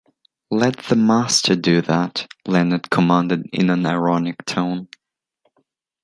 Let the master do that, Lennart commanded in an ironic tone.